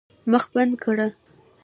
مخ بنده کړه.